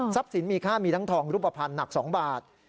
สินมีค่ามีทั้งทองรูปภัณฑ์หนัก๒บาท